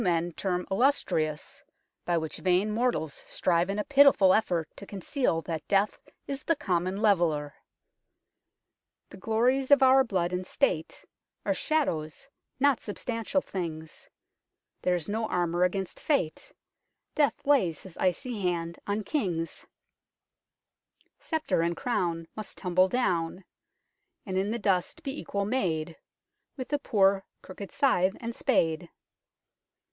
en term illustrious, by which vain mortals strive in a pitiful effort to conceal that Death is the common leveller " The glories of our blood and state Are shadows, not substantial things ; There is no armour against Fate ; Death lays his icy hand on Kings : 196 UNKNOWN LONDON Sceptre and crown Must tumble down And in the dust be equal made With the poor crooked scythe and spade."